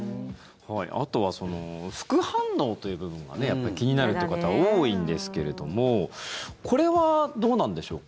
あとは副反応という部分が気になるという方多いんですけれどもこれはどうなんでしょうか。